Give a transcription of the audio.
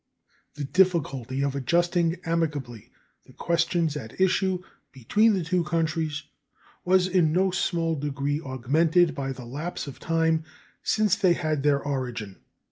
The difficulty of adjusting amicably the questions at issue between the two countries was in no small degree augmented by the lapse of time since they had their origin.